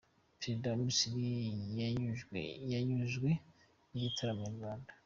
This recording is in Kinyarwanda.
Perezida wa Misiri yanyujwe n’igitaramo nyarwanda .